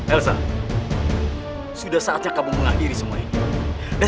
elsa sudah saatnya kamu mengakhiri semua ini